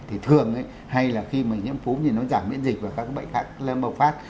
thì thường hay là khi mà nhiễm phú thì nó giảm miễn dịch và các bệnh khác bộc phát